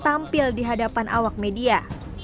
tampil di hadapan awak media